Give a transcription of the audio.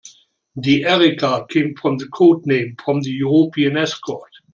The "Erika" came from the code-name from the European Escort.